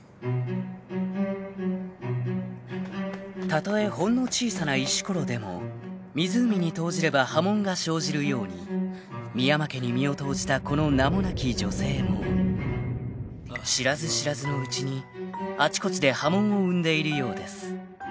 ［たとえほんの小さな石ころでも湖に投じれば波紋が生じるように深山家に身を投じたこの名もなき女性も知らず知らずのうちにあちこちで波紋を生んでいるようです］